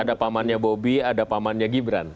ada pamannya bobi ada pamannya gibran